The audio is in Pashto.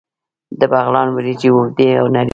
د بغلان وریجې اوږدې او نرۍ وي.